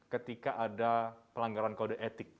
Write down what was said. ketika ada pelanggaran kode etik